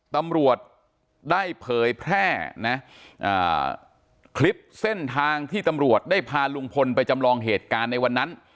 ตำรวจได้เผยแพร่นะคลิปเส้นทางที่ตำรวจได้พาลุงพลไปจำลองเหตุการณ์ในวันนั้น